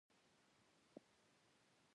پکتیا د افغانستان د طبعي سیسټم توازن ساتي.